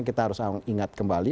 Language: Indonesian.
kita harus ingat kembali